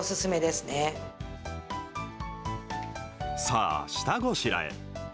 さあ、下ごしらえ。